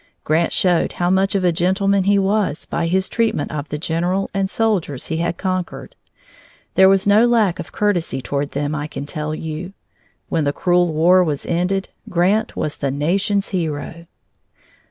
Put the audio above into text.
Grant showed how much of a gentleman he was by his treatment of the general and soldiers he had conquered. There was no lack of courtesy toward them, I can tell you. When the cruel war was ended, Grant was the nation's hero.